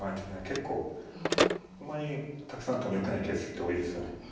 結構あんまりたくさんあってもよくないケースって多いですよね。